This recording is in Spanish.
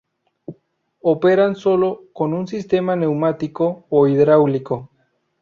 Operan sólo con un sistema neumático o hidráulico.